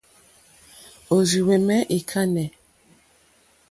Òrzìhwɛ̀mɛ́ î kánɛ́.